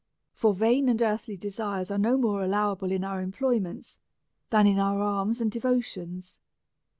For vain and earthly desires are no more alloAvable in our employ ments than in our alms and devotions.